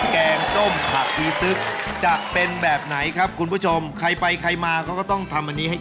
แกงส้มผักอีซึบจะเป็นแบบไหนครับคุณผู้ชมใครไปใครมาเขาก็ต้องทำอันนี้ให้